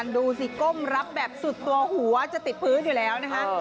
ดูสิก้มรับแบบสุดตัวหัวจะติดพื้นอยู่แล้วนะคะ